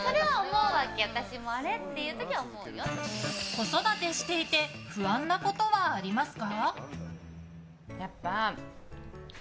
子育てしていて不安なことはありますか？